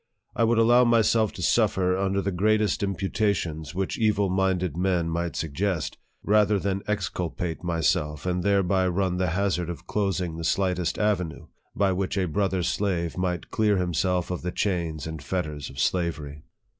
I would allow myself to suffer under the greatest impu tations which evil minded men might suggest, rather than exculpate myself, and thereby run the hazard LIFE OF FREDERICK DOUGLASS. 101 of closing the slightest avenue by which a brother slave might clear himself of the chains and fetters of slavery.